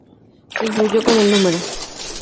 Se incluyó, con el núm.